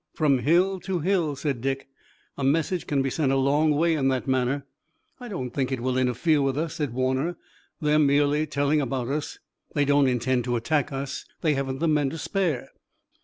"From hill to hill," said Dick. "A message can be sent a long way in that manner." "I don't think it will interfere with us," said Warner. "They're merely telling about us. They don't intend to attack us. They haven't the men to spare."